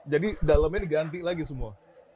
jadi dalemnya diganti lagi semua